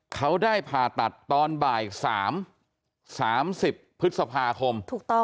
เขาได้ผ่าตัดตอนบ่าย๓๓๐พฤษภาคมถูกต้อง